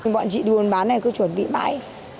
bọn chị đuôn bán này cứ chuẩn bị mãi